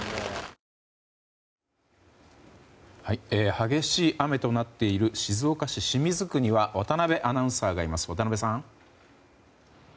激しい雨となっている静岡市清水区には渡辺アナウンサーがいます。